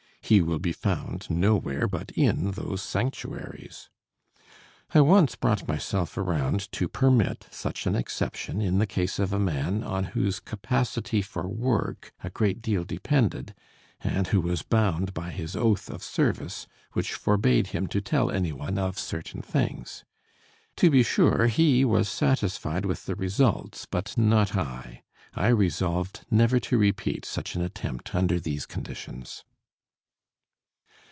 He will be found nowhere but in those sanctuaries. I once brought myself around to permit such an exception in the case of a man on whose capacity for work a great deal depended, and who was bound by his oath of service, which forbade him to tell anyone of certain things. To be sure, he was satisfied with the results but not I; I resolved never to repeat such an attempt under these conditions.